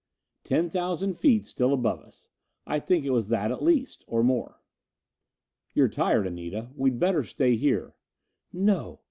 Ten thousand feet still above us I think it was at least that, or more. "You're tired, Anita. We'd better stay here." "No!